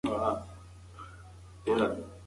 پراخه ویډیوګانې تېروتنې ته زمینه برابروي.